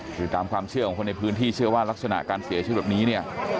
คือตามความเชื่อของคนในพื้นที่เชื่อว่ารักษณะการเสียชีวิตแบบนี้เนี่ย